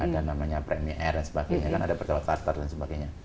ada namanya premier dan sebagainya kan ada pesawat charter dan sebagainya